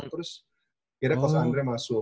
terus kayaknya coach andre masuk